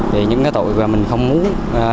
vì những cái tội mà mình không muốn